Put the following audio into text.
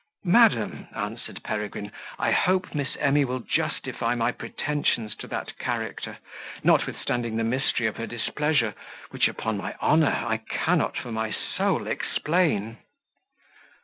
"Madam," answered Peregrine, "I hope Miss Emy will justify my pretensions to that character, notwithstanding the mystery of her displeasure, which, upon my honour, I cannot for my soul explain."